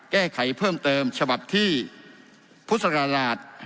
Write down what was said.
แก้ไขเพิ่มเติมฉบับที่พุทธศักราช๒๕๖